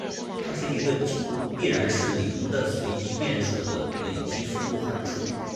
它是一个几乎必然是零的随机变数的累积分布函数。